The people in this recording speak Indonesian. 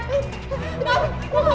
gak ada izzan